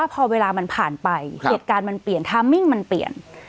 พอเวลามันผ่านไปเหตุการณ์มันเปลี่ยนทามมิ่งมันเปลี่ยน